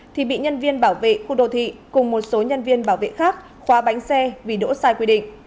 thì bị nhân viên bảo vệ khu đô thị cùng một số nhân viên bảo vệ khác khóa bánh xe vì đỗ sai quy định